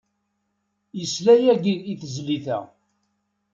Yesla yagi i tezlit-a.